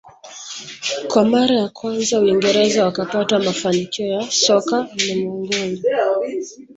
Kwa mara ya kwanza uingereza wakapata mafanikio ya soka ulimwenguni